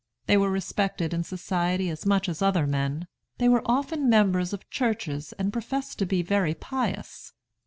They were respected in society as much as other men. They were often members of churches and professed to be very pious.